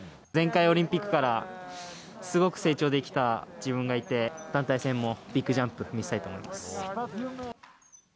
前回オリンピックからすごく成長できた自分がいて、団体戦もビッグジャンプ見せたいと思います。